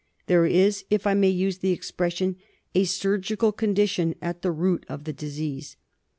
There is, if I may use the expression, a surgical condition at the root of the disease.